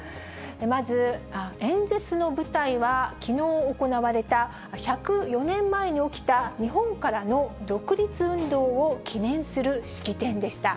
まず演説の舞台は、きのう行われた１０４年前に起きた日本からの独立運動を記念する式典でした。